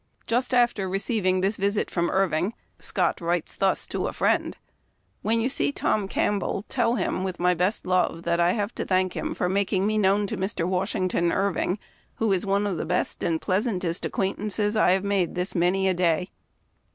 — Just after receiving this visit from Irving, Scott writes thus to a friend :* When you see Tom Campbell, tell him, with my best love, that I have to thank him for mak ing me known to Mr. Washington Irving, who is one of the best and pleasantest acquaintances I have made this many a day."